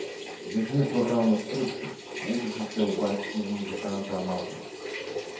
З дзяцінства граў на скрыпцы, вучачыся ў бацькі, музыканта-аматара.